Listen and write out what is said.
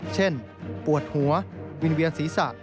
เช่นปวดหัววิ่งเวียนศีรษะ